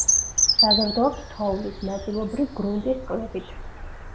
საზრდოობს თოვლის, ნაწილობრივ, გრუნტის წყლებით.